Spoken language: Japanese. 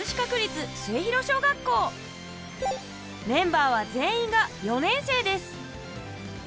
メンバーは全員が４年生です。